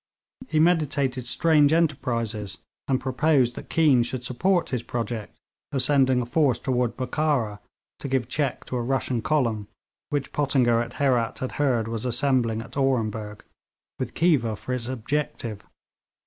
He meditated strange enterprises, and proposed that Keane should support his project of sending a force toward Bokhara to give check to a Russian column which Pottinger at Herat had heard was assembling at Orenburg, with Khiva for its objective.